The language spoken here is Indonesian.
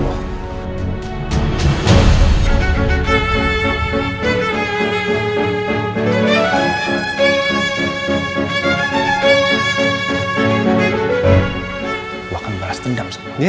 lu akan beras dendam sama aku